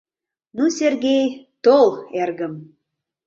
— Ну, Сергей, тол, эргым!